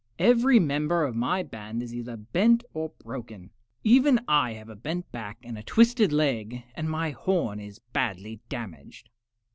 Every member of my band is either bent or broken. Even I have a bent back and a twisted leg, and my horn is badly damaged."